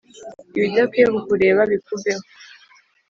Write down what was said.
Ibidakwiye kukureba bikuveho